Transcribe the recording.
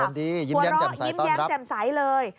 อารมณ์ดียิ้มแย้มแจ่มใสต้อนรับ